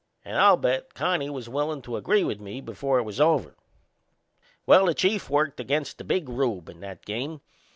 And I'll bet Connie was willin' to agree with me before it was over. Well, the Chief worked against the Big Rube in that game.